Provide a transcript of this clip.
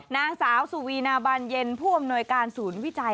นางสาวสุวีนาบานเย็นผู้อำนวยการศูนย์วิจัย